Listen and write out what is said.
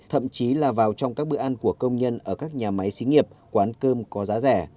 thậm chí là vào trong các bữa ăn của công nhân ở các nhà máy xí nghiệp quán cơm có giá rẻ